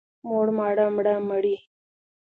موړ، ماړه، مړه، مړې.